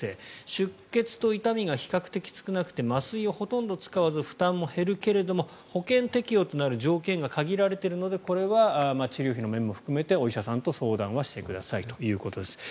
出血と痛みが比較的少なくて麻酔をほとんど使わず負担も減るけれども保険適用となる条件が限られているのでこれは治療費の面も含めてお医者さんと相談してくださいということです。